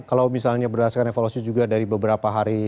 kalau misalnya berdasarkan evaluasi juga dari beberapa hari